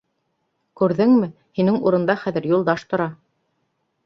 — Күрҙеңме, һинең урында хәҙер Юлдаш тора.